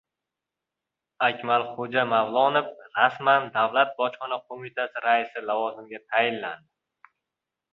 Akmalxo‘ja Mavlonov rasman Davlat bojxona qo‘mitasi raisi lavozimiga tayinlandi